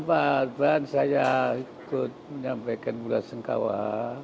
pak pres menyampaikan belasungkawa